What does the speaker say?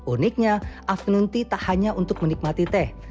uniknya afununty tak hanya untuk menikmati teh